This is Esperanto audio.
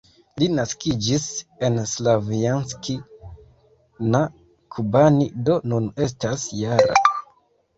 Li naskiĝis en Slavjansk-na-Kubani, do nun estas -jara.